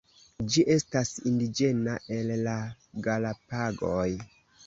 Ĝi estas indiĝena el la Galapagoj.